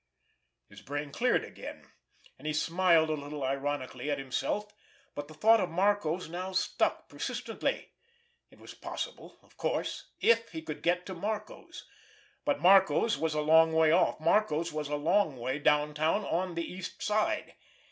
His brain cleared again, and he smiled a little ironically at himself. But the thought of Marco's now stuck persistently. It was possible, of course—if he could get to Marco's! But Marco's was a long way off. Marco's was a long way downtown on the East Side.